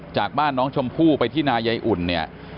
จากบ้านน้องชมพู่ไปที่นายายอุ่นเนี่ย